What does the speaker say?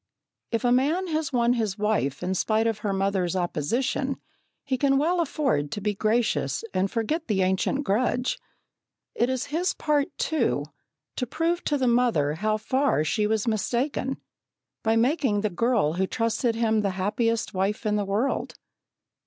If a man has won his wife in spite of her mother's opposition, he can well afford to be gracious and forget the ancient grudge. It is his part, too, to prove to the mother how far she was mistaken, by making the girl who trusted him the happiest wife in the world.